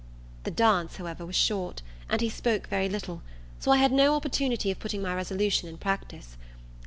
The dance, however, was short, and he spoke very little; so I had no opportunity of putting my resolution in practice.